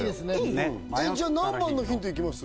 ねっじゃあ何番のヒントいきます？